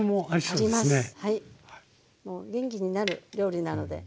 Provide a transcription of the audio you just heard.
もう元気になる料理なので。